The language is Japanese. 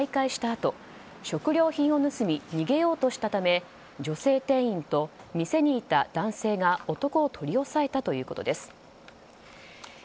あと食料品を盗み逃げようとしたため女性店員と店にいた男性が男を取り押さえたということです。